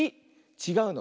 ちがうの。